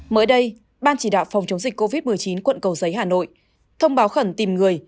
mới đây ban chỉ đạo phòng chống dịch covid một mươi chín quận cầu giấy hà nội thông báo khẩn tìm người